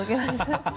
ハハハハ。